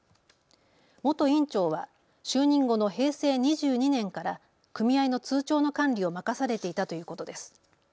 元委員長は就任後の平成２２年から組合の通帳の管理を任されていたということです。